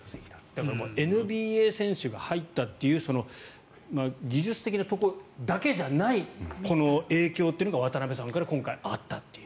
だからＮＢＡ選手が入ったという技術的なところだけじゃないこの影響というのが渡邊さんから今回あったという。